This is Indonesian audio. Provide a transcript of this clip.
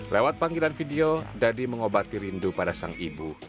lewat panggilan video dadi mengobati rindu pada sang ibu